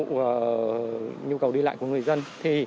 nhiều nhu cầu đi lại của người dân